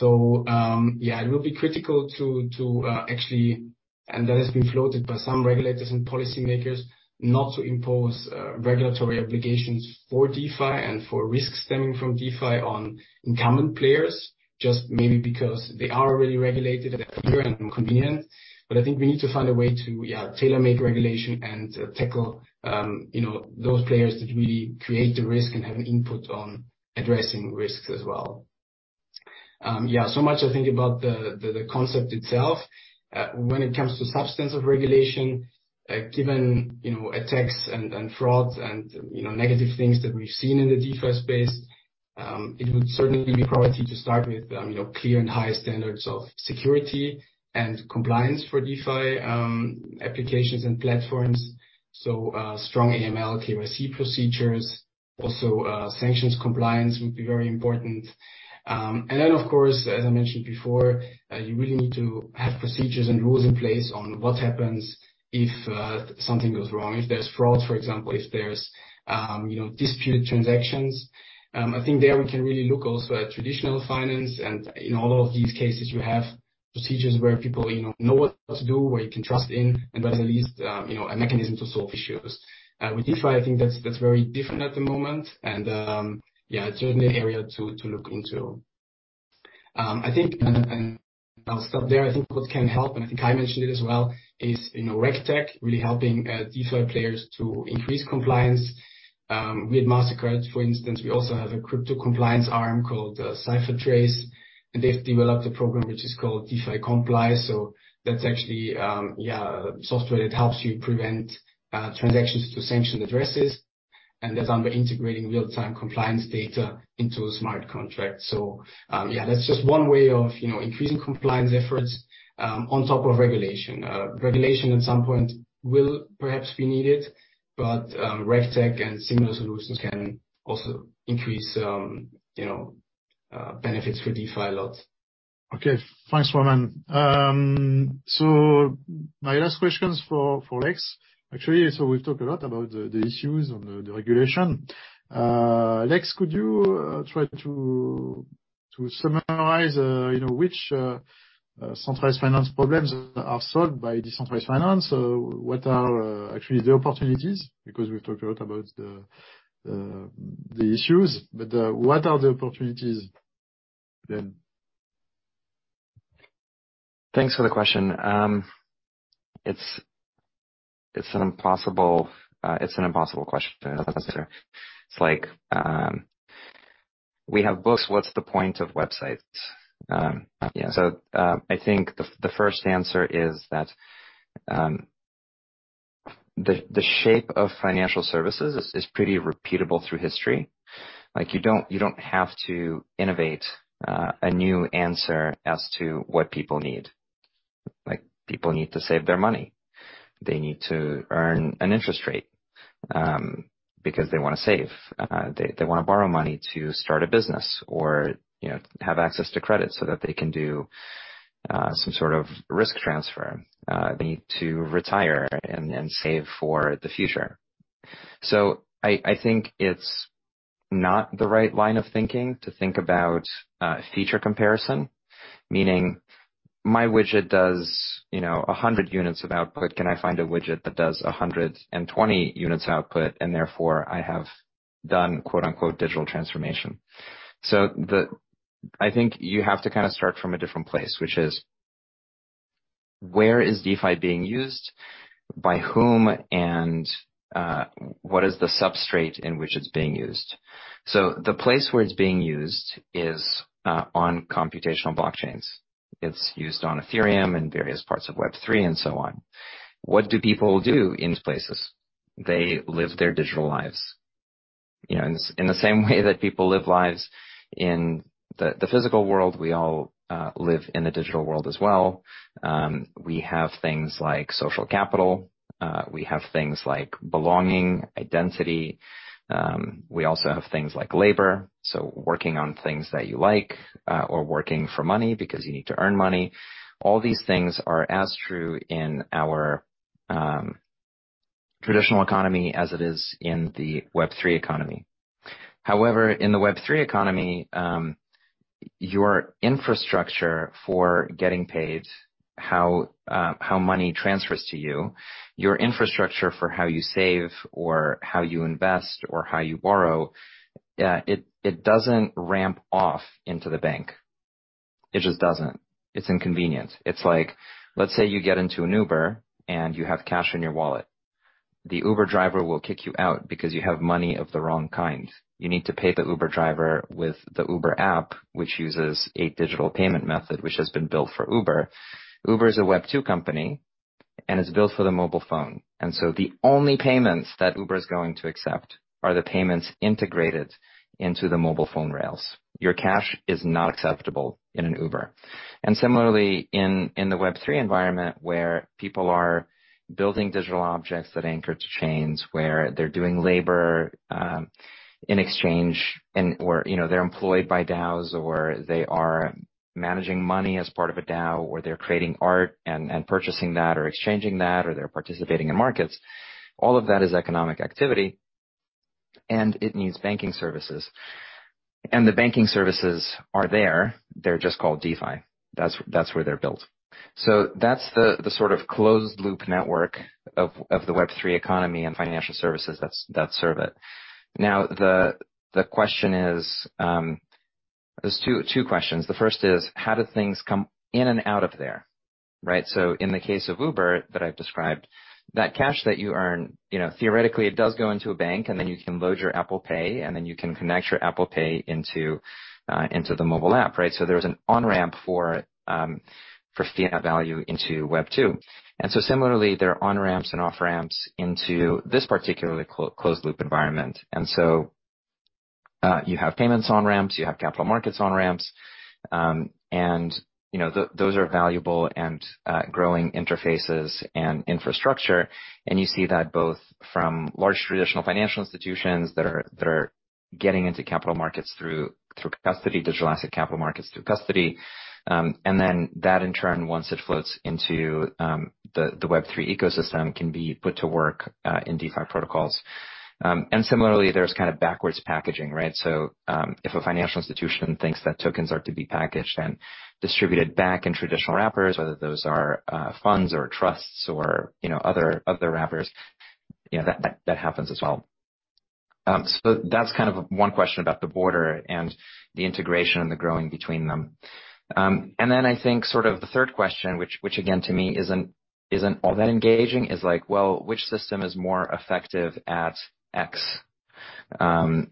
Yeah, it will be critical to, actually... and that has been floated by some regulators and policymakers, not to impose, regulatory obligations for DeFi and for risks stemming from DeFi on incumbent players, just maybe because they are already regulated and they're here and convenient. I think we need to find a way to, yeah, tailor-make regulation and tackle, you know, those players that really create the risk and have an input on addressing risk as well. Yeah, so much I think about the, the concept itself. When it comes to substance of regulation, given, you know, attacks and fraud and, you know, negative things that we've seen in the DeFi space, it would certainly be priority to start with, you know, clear and high standards of security and compliance for DeFi applications and platforms. Strong AML, KYC procedures, also, sanctions compliance would be very important. Of course, as I mentioned before, you really need to have procedures and rules in place on what happens if something goes wrong, if there's fraud, for example, if there's, you know, disputed transactions. I think there we can really look also at traditional finance and, in all of these cases you have procedures where people, you know what to do, where you can trust in, and where there is, you know, a mechanism to solve issues. With DeFi, I think that's very different at the moment and, yeah, certainly area to look into. I think... and I'll stop there. I think what can help, and I think Kai mentioned it as well, is, you know, RegTech really helping DeFi players to increase compliance. With Mastercard, for instance, we also have a crypto compliance arm called CipherTrace. They've developed a program which is called DeFi compliance. That's actually software that helps you prevent transactions to sanctioned addresses. That's under integrating real-time compliance data into a smart contract. That's just one way of, you know, increasing compliance efforts on top of regulation. Regulation at some point will perhaps be needed, but RegTech and similar solutions can also increase, you know, benefits for DeFi a lot. Okay. Thanks, Roman. My last questions for Lex. Actually, we've talked a lot about the issues on the regulation. Lex, could you try to summarize, you know, which centralized finance problems are solved by decentralized finance? What are actually the opportunities? We've talked a lot about the issues, but what are the opportunities then? Thanks for the question. It's an impossible question to answer. It's like, we have books, what's the point of websites? I think the first answer is that, the shape of financial services is pretty repeatable through history. Like, you don't have to innovate, a new answer as to what people need. Like, people need to save their money. They need to earn an interest rate, because they wanna save. They wanna borrow money to start a business or, you know, have access to credit so that they can do, some sort of risk transfer. They need to retire and save for the future. I think it's not the right line of thinking to think about, feature comparison. Meaning my widget does, you know, 100 units of output. Can I find a widget that does 120 units output, and therefore, I have done quote-unquote digital transformation? I think you have to kind of start from a different place, which is where is DeFi being used? By whom? And what is the substrate in which it's being used? The place where it's being used is on computational blockchains. It's used on Ethereum and various parts of Web3 and so on. What do people do in these places? They live their digital lives. You know, in the same way that people live lives in the physical world, we all live in the digital world as well. We have things like social capital. We have things like belonging, identity. We also have things like labor, working on things that you like, or working for money because you need to earn money. All these things are as true in our traditional economy as it is in the Web3 economy. In the Web3 economy, your infrastructure for getting paid, how money transfers to you, your infrastructure for how you save or how you invest or how you borrow, it doesn't ramp off into the bank. It just doesn't. It's inconvenient. It's like, let's say you get into an Uber, you have cash in your wallet. The Uber driver will kick you out because you have money of the wrong kind. You need to pay the Uber driver with the Uber app, which uses a digital payment method which has been built for Uber. Uber is a Web2 company, it's built for the mobile phone. The only payments that Uber is going to accept are the payments integrated into the mobile phone rails. Your cash is not acceptable in an Uber. Similarly, in the Web3 environment, where people are building digital objects that anchor to chains, where they're doing labor, in exchange and where, you know, they're employed by DAOs or they are managing money as part of a DAO, or they're creating art and purchasing that or exchanging that, or they're participating in markets, all of that is economic activity, and it needs banking services. The banking services are there. They're just called DeFi. That's where they're built. That's the sort of closed loop network of the Web3 economy and financial services that serve it. The question is, there's two questions. The first is how do things come in and out of there, right? In the case of Uber that I've described, that cash that you earn, you know, theoretically it does go into a bank, and then you can load your Apple Pay, and then you can connect your Apple Pay into the mobile app, right? There's an on-ramp for fiat value into Web2. Similarly, there are on-ramps and off-ramps into this particular closed loop environment. You have payments on-ramps, you have Capital Markets on-ramps, and, you know, those are valuable and growing interfaces and infrastructure. You see that both from large traditional financial institutions that are getting into Capital Markets through custody, digital asset Capital Markets through custody. Then that in turn, once it floats into the Web3 ecosystem can be put to work in DeFi protocols. Similarly, there's kind of backwards packaging, right? If a financial institution thinks that tokens are to be packaged and distributed back in traditional wrappers, whether those are funds or trusts or, you know, other wrappers, you know, that happens as well. That's kind of one question about the border and the integration and the growing between them. Then I think sort of the third question, which again to me isn't all that engaging, is like, well, which system is more effective at X?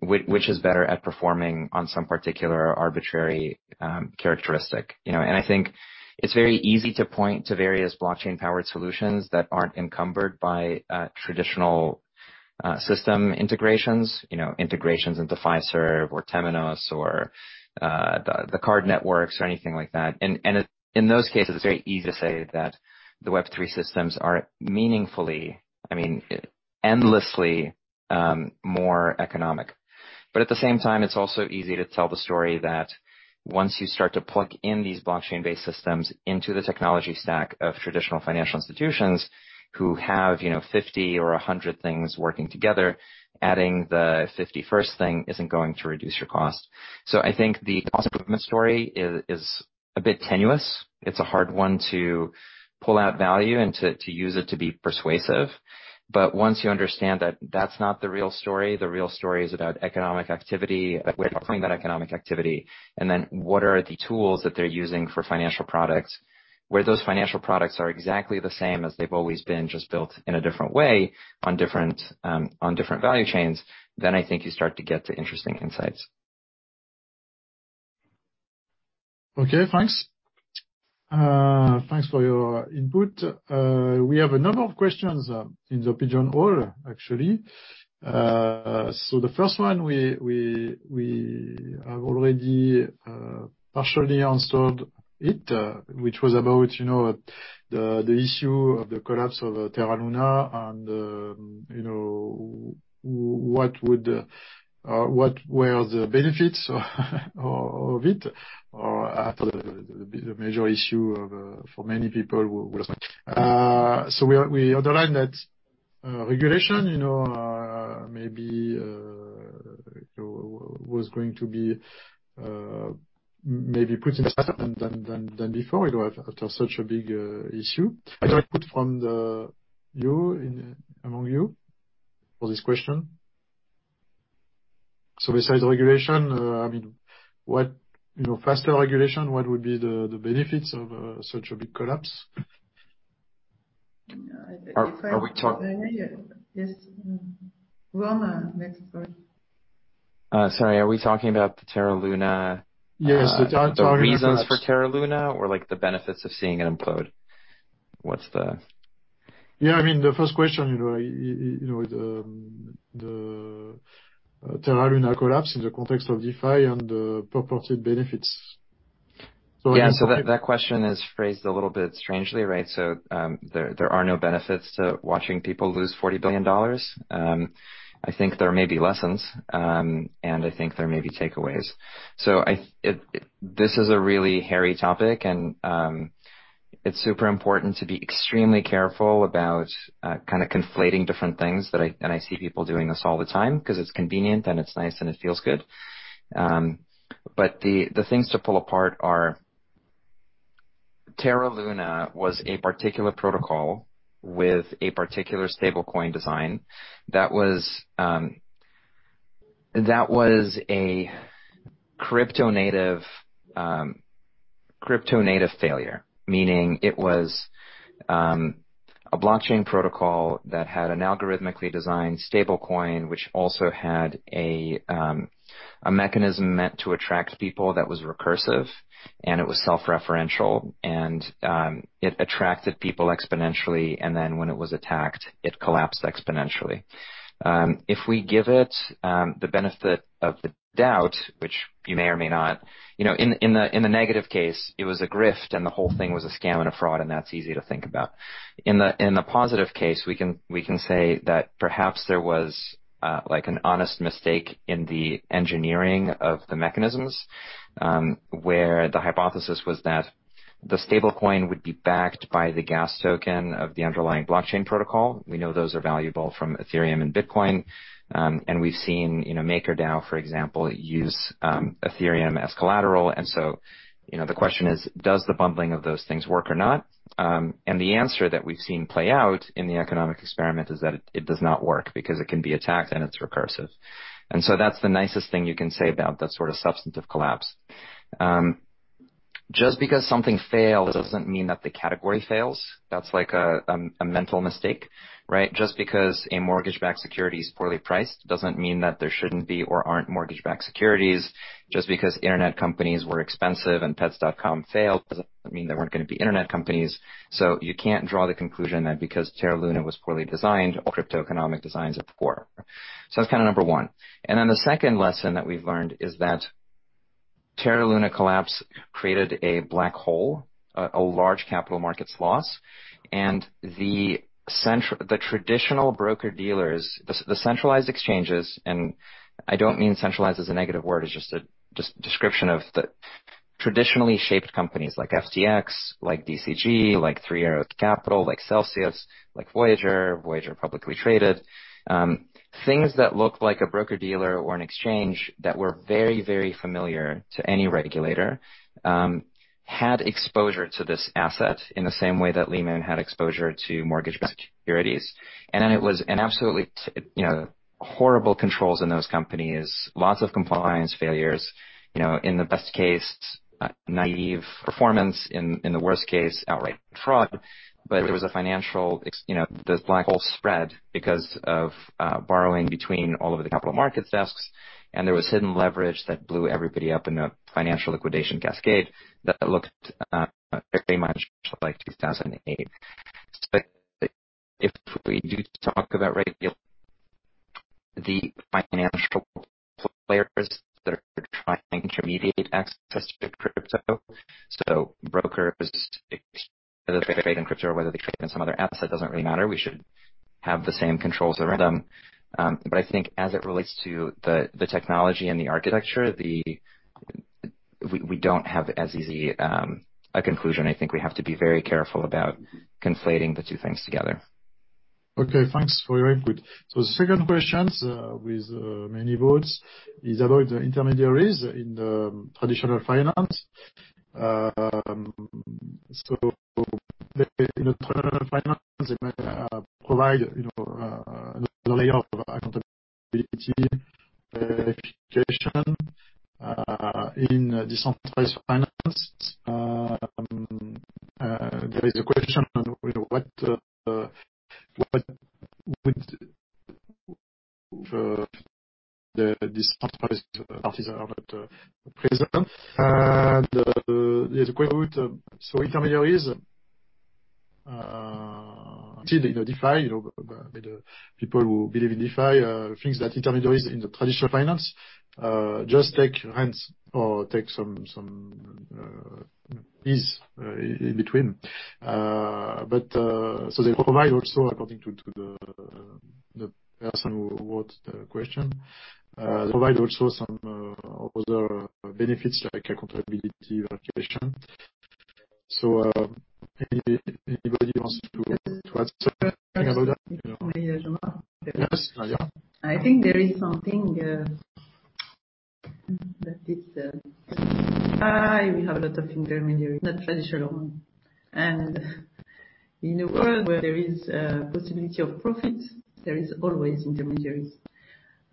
Which is better at performing on some particular arbitrary characteristic? You know, I think it's very easy to point to various blockchain-powered solutions that aren't encumbered by traditional system integrations. You know, integrations into Fiserv or Temenos or the card networks or anything like that. In those cases, it's very easy to say that the Web3 systems are meaningfully, I mean, endlessly more economic. At the same time, it's also easy to tell the story that once you start to plug in these blockchain-based systems into the technology stack of traditional financial institutions who have, you know, 50 or 100 things working together, adding the 51st thing isn't going to reduce your cost. I think the cost improvement story is a bit tenuous. It's a hard one to pull out value and to use it to be persuasive. Once you understand that that's not the real story, the real story is about economic activity, where to point that economic activity, and then what are the tools that they're using for financial products, where those financial products are exactly the same as they've always been, just built in a different way on different, on different value chains, then I think you start to get to interesting insights. Okay, thanks. Thanks for your input. We have a number of questions in the Pigeonhole, actually. The first one, we have already partially answered it, which was about, you know, the issue of the collapse of Terra Luna and, you know, what would, what were the benefits of it. I thought the major issue for many people was. We underline that regulation, you know, maybe was going to be maybe put in than before after such a big issue. Input from the among you for this question? Besides regulation, I mean, what You know, faster regulation, what would be the benefits of such a big collapse? Are we? Yes. Romain, next part. Sorry. Are we talking about the Terra Luna-? Yes. The reasons for Terra Luna or like the benefits of seeing it implode? What's the... Yeah, I mean, the first question, you know, you know, the Terra Luna collapse in the context of DeFi and the purported benefits. That question is phrased a little bit strangely, right? There are no benefits to watching people lose $40 billion. I think there may be lessons, and I think there may be takeaways. This is a really hairy topic, and it's super important to be extremely careful about kinda conflating different things I see people doing this all the time 'cause it's convenient and it's nice and it feels good. But the things to pull apart are Terra Luna was a particular protocol with a particular stablecoin design that was a crypto native failure. Meaning it was a blockchain protocol that had an algorithmically designed stablecoin, which also had a mechanism meant to attract people that was recursive, and it was self-referential, and it attracted people exponentially, and then when it was attacked, it collapsed exponentially. If we give it the benefit of the doubt, which you may or may not, you know, in the negative case, it was a grift and the whole thing was a scam and a fraud, and that's easy to think about. In the positive case, we can say that perhaps there was like an honest mistake in the engineering of the mechanisms, where the hypothesis was that the stablecoin would be backed by the gas token of the underlying blockchain protocol. We know those are valuable from Ethereum and Bitcoin. We've seen, you know, MakerDAO, for example, use Ethereum as collateral. You know, the question is, does the bundling of those things work or not? The answer that we've seen play out in the economic experiment is that it does not work because it can be attacked and it's recursive. That's the nicest thing you can say about that sort of substantive collapse. Just because something fails doesn't mean that the category fails. That's like a mental mistake, right? Just because a mortgage-backed security is poorly priced doesn't mean that there shouldn't be or aren't mortgage-backed securities. Just because internet companies were expensive and Pets.com failed doesn't mean there weren't gonna be internet companies. You can't draw the conclusion that because Terra Luna was poorly designed, all crypto economic designs are poor. That's kinda number one. The second lesson that we've learned is that Terra Luna collapse created a black hole, a large Capital Markets loss. The traditional broker-dealers, the centralized exchanges, and I don't mean centralized as a negative word, it's just a description of the traditionally shaped companies like FTX, like DCG, like Three Arrows Capital, like Celsius, like Voyager. Voyager publicly traded. Things that look like a broker-dealer or an exchange that were very, very familiar to any regulator, had exposure to this asset in the same way that Lehman had exposure to mortgage-backed securities. It was an absolutely, you know, horrible controls in those companies. Lots of compliance failures. You know, in the best case, naive performance. In the worst case, outright fraud. There was a financial you know, this black hole spread because of borrowing between all of the Capital Markets desks, and there was hidden leverage that blew everybody up in a financial liquidation cascade that looked very much like 2008. If we do talk about regulation, the financial players that are trying to intermediate access to crypto. Brokers, whether they trade in crypto or whether they trade in some other asset, doesn't really matter. We should have the same controls around them. But I think as it relates to the technology and the architecture. We don't have as easy a conclusion. I think we have to be very careful about conflating the two things together. Okay, thanks for your input. The second question, with many votes is about the intermediaries in the traditional finance. The, you know, traditional finance, they might provide, you know, another layer of accountability, verification, in decentralized finance. There is a question, you know, what would the decentralized parties are not present. There's a quote, intermediaries, they notify, you know, the people who believe in DeFi, thinks that intermediaries in the traditional finance just take rents or take some fees in between. They provide also according to the person who wrote the question, they provide also some other benefits like accountability verification. Anybody wants to answer anything about that? Yes, Nadia. I think there is something that is, we have a lot of intermediary, not traditional one. In a world where there is possibility of profits, there is always intermediaries.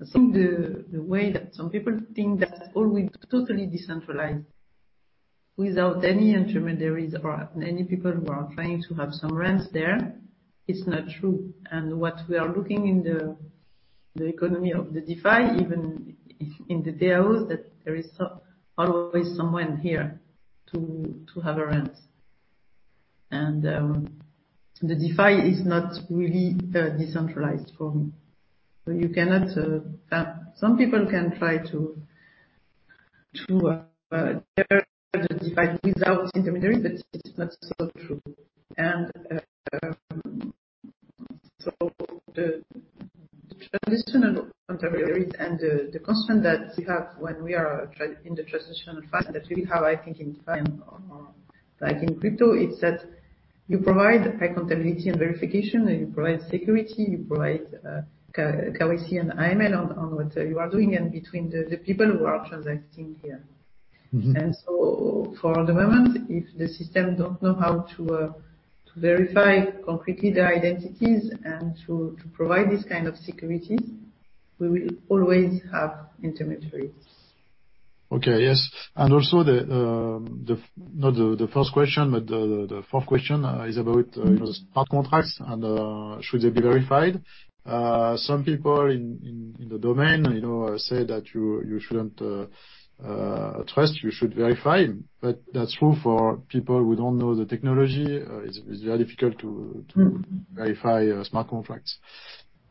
I think the way that some people think that all will totally decentralize without any intermediaries or any people who are trying to have some rents there, it's not true. What we are looking in the economy of the DeFi, even in the DAO, that there is always someone here to have a rent. The DeFi is not really a decentralized form. You cannot. Some people can try to share the DeFi without intermediaries, but it's not so true. The traditional intermediaries and the constraint that we have when we are in the traditional finance that we have, I think in finance or like in crypto, it's that you provide high accountability and verification, and you provide security, you provide currency and AML on what you are doing and between the people who are transacting here. Mm-hmm. For the moment, if the system don't know how to verify completely their identities and to provide this kind of security, we will always have intermediaries. Okay, yes. Also Not the first question, but the fourth question is about, you know, smart contracts and should they be verified. Some people in the domain, you know, say that you shouldn't trust, you should verify. That's true for people who don't know the technology. It's very difficult to verify smart contracts.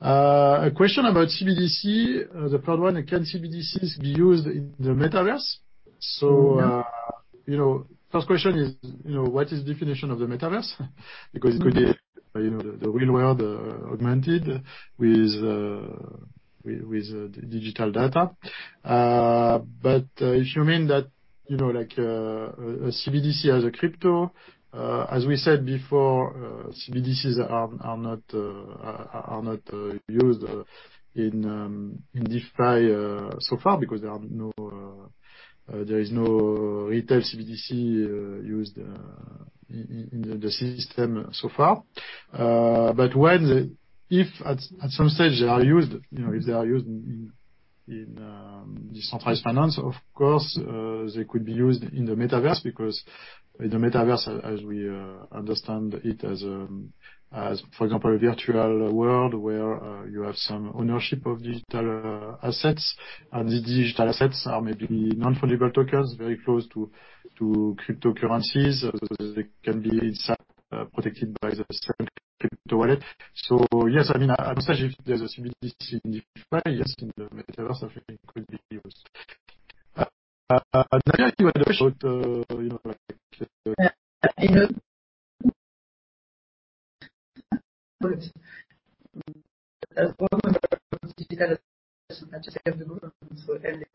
A question about CBDC, the third one. Can CBDCs be used in the Metaverse? You know, first question is, you know, what is definition of the Metaverse? It could be, you know, the real world augmented with digital data. If you mean that, you know, like a CBDC as a crypto, as we said before, CBDCs are not used in DeFi so far because there is no retail CBDC used in the system so far. If at some stage they are used, you know, if they are used in decentralized finance, of course, they could be used in the Metaverse because in the Metaverse as we understand it as for example, a virtual world where you have some ownership of digital assets, and these digital assets are maybe Non-Fungible Tokens, very close to cryptocurrencies, so they can be protected by the same crypto wallet. Yes, I mean, at this stage if there's a CBDC in DeFi, yes, in the Metaverse I think it could be used. Nadia, do you want to talk about, you know?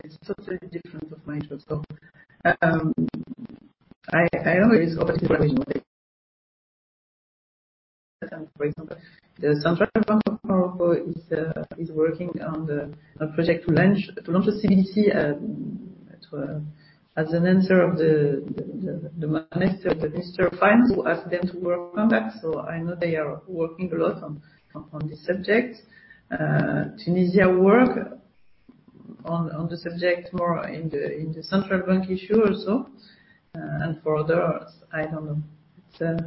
It's totally different of my intro, so I know it's always original. For example, the Central Bank of Morocco is working on a project to launch a CBDC. As an answer of the minister of finance who asked them to work on that. I know they are working a lot on this subject. Tunisia work on the subject more in the Central Bank issue also. And for others, I don't know. Because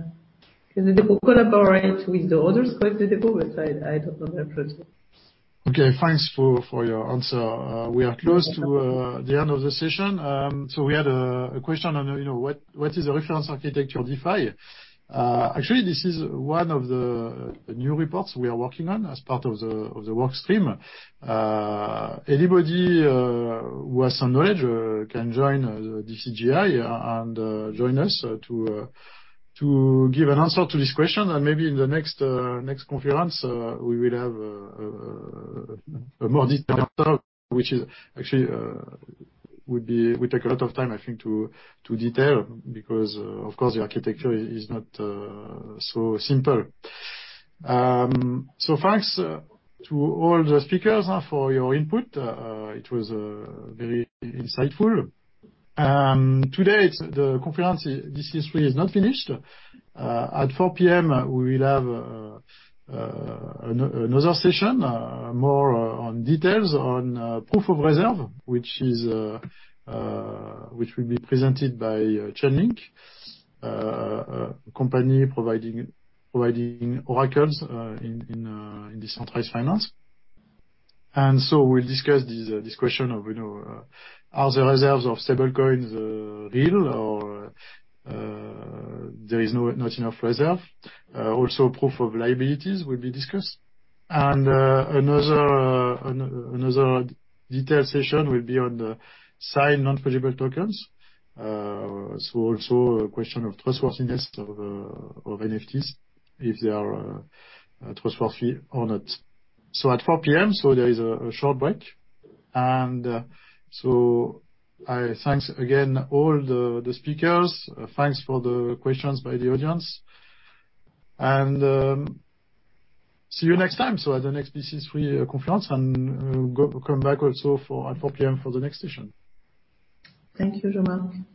they do collaborate with the others quite a bit, but I don't know their project. Okay, thanks for your answer. We are close to the end of the session. We had a question on, you know, what is a reference architecture DeFi? Actually this is one of the new reports we are working on as part of the work stream. Anybody who has some knowledge can join the DCGI and join us to give an answer to this question. Maybe in the next conference we will have a more detailed answer, which is actually Will take a lot of time, I think, to detail, because of course, the architecture is not so simple. Thanks to all the speakers for your input. It was very insightful. Today it's the conference, this history is not finished. At 4:00 P.M. we will have another session, more on details on Proof of Reserve, which will be presented by Chainlink, a company providing oracles in decentralized finance. We'll discuss this question of, you know, are the reserves of stablecoins real or there is not enough reserve. Also Proof of Liabilities will be discussed. Another detailed session will be on the signed Non-Fungible Tokens. Also a question of trustworthiness of NFTs, if they are trustworthy or not. At 4:00 P.M., so there is a short break. I thanks again all the speakers. Thanks for the questions by the audience. See you next time. At the next DC3 conference, and come back also for at 4:00 P.M. for the next session. Thank you, Jean-Marc. Thank you.